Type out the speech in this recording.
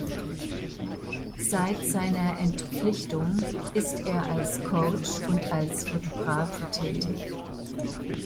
Seit seiner Entpflichtung ist er als Coach und als Fotograf tätig.